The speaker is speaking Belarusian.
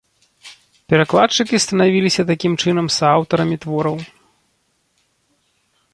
Перакладчыкі станавіліся такім чынам сааўтарамі твораў.